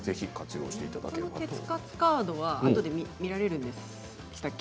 鉄活カードはあとで見られるんですか？